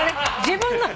自分の。